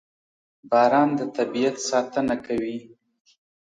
• باران د طبیعت ساتنه کوي.